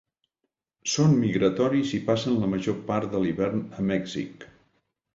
Són migratoris i passen la major part de l'hivern a Mèxic.